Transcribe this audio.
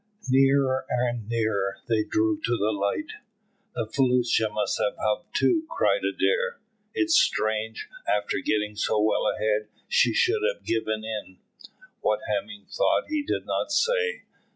Nearer and nearer they drew to the light. "The felucca must have hove to," cried Adair. "It's strange, after getting so well ahead she should have given in." What Hemming thought he did not say.